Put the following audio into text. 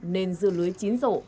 nên dưa lưới chín rổ